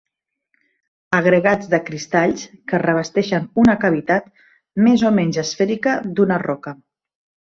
Agregats de cristalls que revesteixen una cavitat més o menys esfèrica d'una roca.